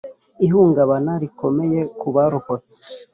Ihungabana rikomeye ku barokotse